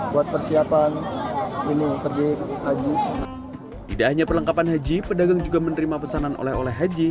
buat persiapan ini terbit haji tidak hanya perlengkapan haji pedagang juga menerima pesanan oleh oleh haji